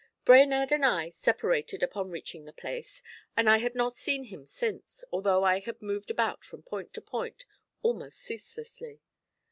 Brainerd and I had separated upon reaching the place, and I had not seen him since, although I had moved about from point to point almost ceaselessly.